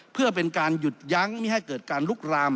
เพื่อเป็นการหยุดยั้งไม่ให้เกิดการลุกลาม